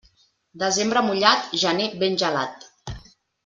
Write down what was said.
Desembre mullat, gener ben gelat.